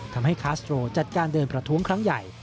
คาสโตรจัดการเดินประท้วงครั้งใหญ่